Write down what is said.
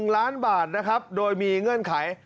๑ล้านบาทนะครับโดยมีเงื่อนไข